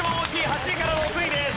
８位から６位です。